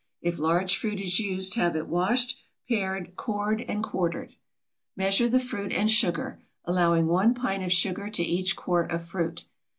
If large fruit is used have it washed, pared, cored, and quartered. Measure the fruit and sugar, allowing one pint of sugar to each quart of fruit.